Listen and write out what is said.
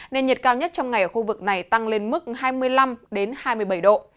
nên nhiệt cao nhất trong ngày ở khu vực này tăng lên mức hai mươi năm hai mươi bảy độ